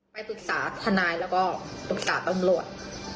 ไปปรึกษาทนายแล้วก็ปรึกษาตำรวจ